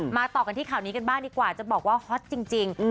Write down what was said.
ต่อกันที่ข่าวนี้กันบ้างดีกว่าจะบอกว่าฮอตจริง